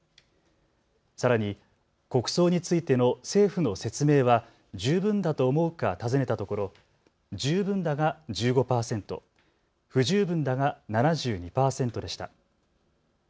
さらに国葬についての政府の説明は十分だと思うか尋ねたところ、十分だが１５％、不十分だが７２％でした。